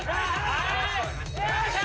よいしょ！